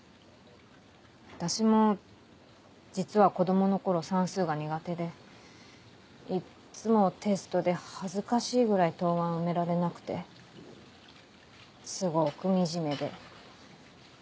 私も実は子供の頃算数が苦手でいっつもテストで恥ずかしいぐらい答案を埋められなくてすごく惨めで。